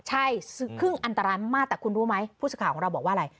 ใช่ครึ่งอันตรายมากแต่คุณรู้ไหมผู้สื่อข่าวของเราบอกว่าอะไร